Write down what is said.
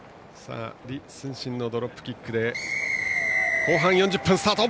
李承信のドロップキックで後半４０分がスタート。